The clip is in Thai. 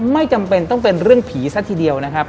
ไม่จำเป็นต้องเป็นเรื่องผีซะทีเดียวนะครับ